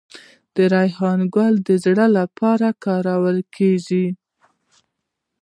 د ریحان ګل د زړه لپاره وکاروئ